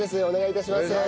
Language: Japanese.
お願い致します。